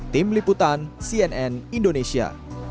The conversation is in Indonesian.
tim liputan cnn indonesia